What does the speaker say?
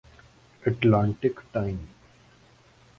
Atlantic time